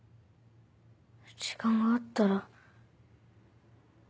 時間があったら。